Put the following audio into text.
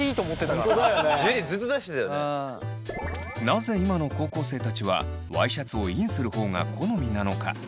なぜ今の高校生たちはワイシャツをインする方が好みなのか。